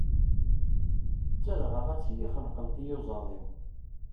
D tadɣaɣat iyi-xenqen tiyuẓaḍ-iw.